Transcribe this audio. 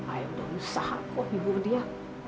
ayo udah usah kok nghibur dia